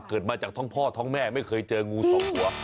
เกิดมาจากท้องพ่อท้องแม่ไม่เคยเจองูสองตัว